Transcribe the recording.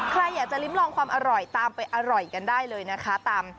ใครอยากจะลิ้มลองความอร่อยตามไปอร่อยกันได้เลยนะคะ